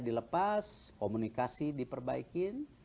dilepas komunikasi diperbaikin